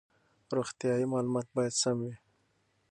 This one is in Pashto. روغتیايي معلومات باید سم وي.